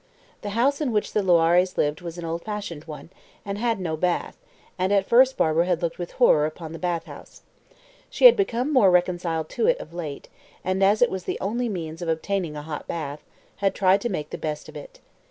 The house in which the Loirés lived was an old fashioned one, and had no bath, and at first Barbara had looked with horror upon the bath house. She had become more reconciled to it of late, and, as it was the only means of obtaining a hot bath, had tried to make the best of it.